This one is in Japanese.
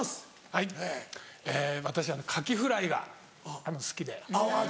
はいえ私カキフライが好きで。